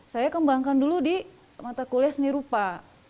saya kembangkan dulu di mata kuliah seni rupa